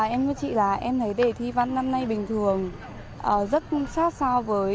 em với chị là em thấy đề thi văn năm nay bình thường rất sát sao với các em